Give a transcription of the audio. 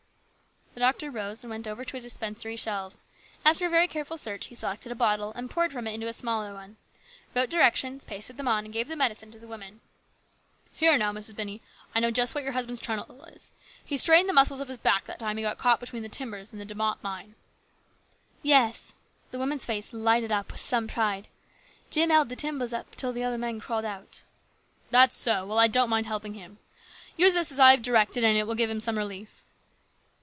The doctor rose and went over to his dispensary shelves. After a very careful search he selected a bottle and poured from it into a small one, wrote directions, pasted them on, and gave the medicine to the woman. " Here, now, Mrs. Binney, I know just what your husband's trouble is. He strained the muscles of his 50 HIS BROTHER'S KEEPER. back that time he got caught between the timbers in the De Mott mine." "Yes." The woman's face lighted up with some pride. " Jim held up the timbers until the other men crawled out." "That's so. Well, I don't mind helping him. Use this as I have directed and it will give him some relief."